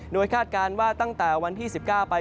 โดยคาดการณ์ว่าตั้งแต่วันที่๑๙ไป